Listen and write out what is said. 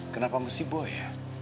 kenapa mesti boy ya